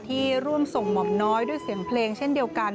ที่ร่วมส่งหม่อมน้อยด้วยเสียงเพลงเช่นเดียวกัน